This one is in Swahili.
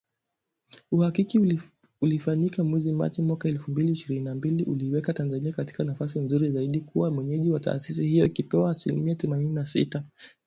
Uhakiki ulifanyika mwezi Machi mwaka elfu mbili ishirini na mbili uliiweka Tanzania katika nafasi nzuri zaidi kuwa mwenyeji wa taasisi hiyo ikipewa asilimia themanini na sita